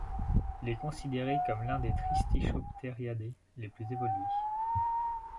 Il est considéré comme l'un des Tristichopteridae les plus évolués.